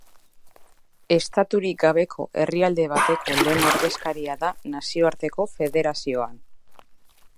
Estaturik gabeko herrialde bateko lehen ordezkaria da nazioarteko federazioan.